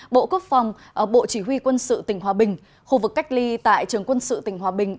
bộ quốc phòng bộ chỉ huy quân sự tỉnh hòa bình khu vực cách ly tại trường quân sự tỉnh hòa bình